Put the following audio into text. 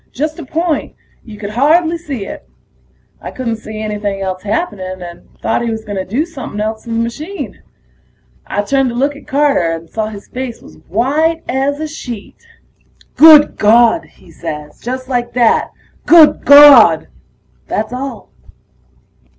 Just a point; you could hardly see it. I couldn't see anything else happening, and thought he was gonna do somepin' else to the machine. I turned to look at Carter, and saw his face was white as a sheet. "Good Gawd!" he says, just like that: "Good Gawd!" That's all.